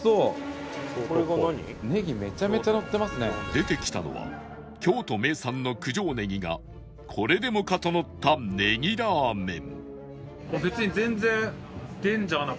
出てきたのは京都名産の九条ネギがこれでもかとのったネギラーメン